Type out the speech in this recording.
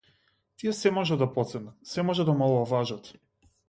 Тие сѐ можат да потценат, сѐ можат да омаловажат.